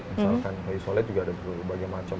misalkan kayu solid juga ada berbagai macam